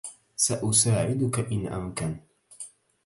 سأساعدك إن أمكن.